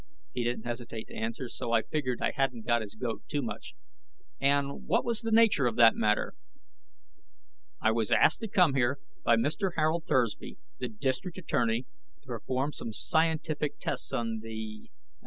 He didn't hesitate to answer, so I figured I hadn't got his goat too much. "And what was the nature of that matter?" "I was asked to come here by Mr. Harold Thursby, the District Attorney, to perform some scientific tests on the